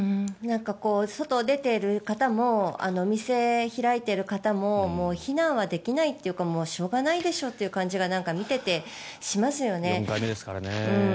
外に出ている方もお店を開いている方も非難はできないというかしょうがないでしょうという感じが４回目ですからね。